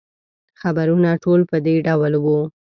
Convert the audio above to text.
خبرونه ټول په دې ډول وو.